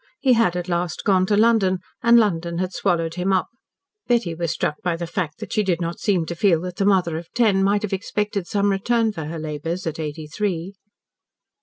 He had at last gone to London, and London had swallowed him up. Betty was struck by the fact that she did not seem to feel that the mother of ten might have expected some return for her labours, at eighty three.